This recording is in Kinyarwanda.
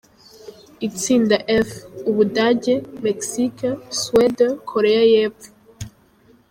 Itsinda F: U Budage, Mexique, Suède, Koreya y’Epfo.